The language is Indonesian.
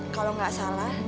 kalau gak salah